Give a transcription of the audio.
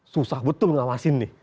susah betul mengawasi ini